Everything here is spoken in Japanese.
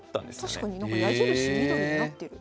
確かに矢印緑になってる。